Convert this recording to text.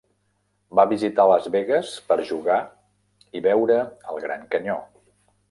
Va visitar Las Vegas per jugar i veure el Gran Canyó.